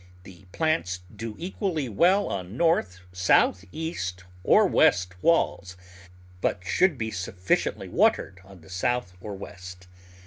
The plants do equally well on north, south, east or west walls, but should be kept sufficiently watered on the south or west.